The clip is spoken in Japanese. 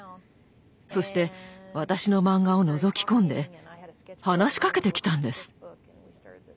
そして私のマンガをのぞき込んで話しかけてきたんです。